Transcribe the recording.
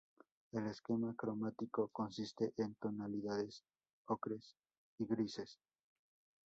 El esquema cromático consiste en tonalidades ocres y grises.